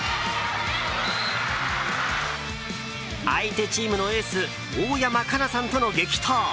相手チームのエース大山加奈さんとの激闘。